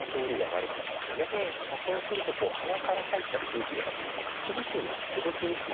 そうすると鼻から入った空気がですね副鼻腔まで届きにくくなります。